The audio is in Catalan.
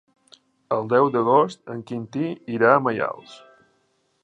El deu d'agost en Quintí irà a Maials.